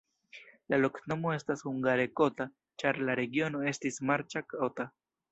La loknomo estas hungare kota, ĉar la regiono estis marĉa, kota.